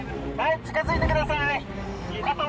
近づいてください。